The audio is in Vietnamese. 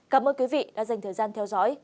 cảm ơn quý vị đã dành thời gian theo dõi